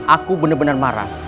aku benar benar marah